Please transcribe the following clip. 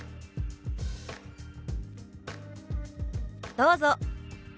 どうぞ。